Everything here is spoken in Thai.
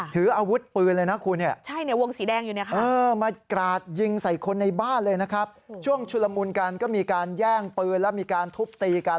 ถืออาวุธปืนเลยนะคุณเนี่ยะมากราดยิงใส่คนในบ้านเลยนะครับช่วงชุดละมุนกันก็มีการแย่งปืนและมีการทุบตีกัน